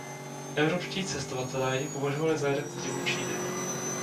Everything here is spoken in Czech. Evropští cestovatelé ji považovali za jeden z divů Číny.